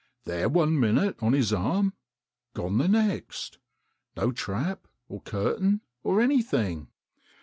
There one minute on his arm, gone the next, no trap, or curtain, or anything."